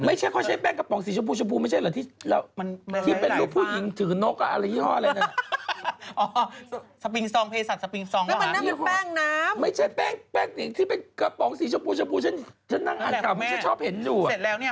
ไม่ใช่เขาใช้แป้งกระป๋องสีชมพูชมพูไม่ใช่เหรอที่เป็นรูปผู้หญิงถือนกอะไรยี่ห้ออะไรนั่นน่ะ